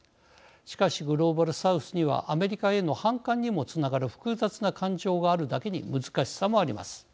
しかしグローバルサウスにはアメリカへの反感にもつながる複雑な感情があるだけに難しさもあります。